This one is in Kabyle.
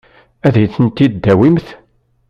Ad iyi-ten-id-tawimt?